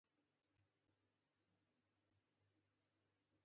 اګوستوس اشراف د عامو وګړو پر وړاندې تقویه کړل.